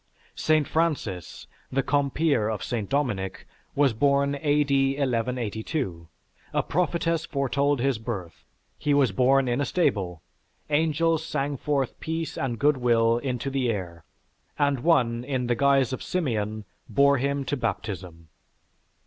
St. Francis, the compeer of St. Dominic, was born A.D. 1182. A prophetess foretold his birth; he was born in a stable; angels sang forth peace and good will into the air, and one, in the guise of Simeon, bore him to baptism.